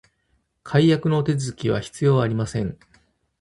解約のお手続きは必要ありません